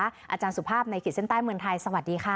อาจารย์สุภาพในขีดเส้นใต้เมืองไทยสวัสดีค่ะ